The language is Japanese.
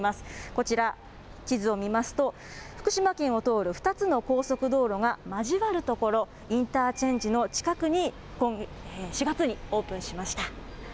こちら、地図を見ますと、福島県を通る２つの高速道路が交わる所、インターチェンジの近くにことし４月にオープンしました。